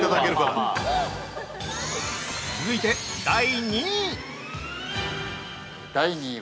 ◆続いて第２位！